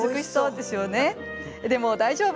でも大丈夫！